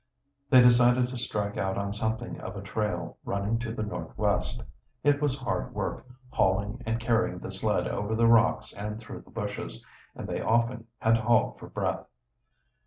They decided to strike out on something of a trail running to the northwest. It was hard work hauling and carrying the sled over the rocks and through the bushes, and they often had to halt for breath.